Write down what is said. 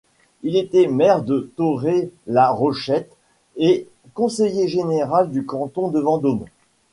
Il était maire de Thoré-la-Rochette et conseiller général du canton de Vendôme.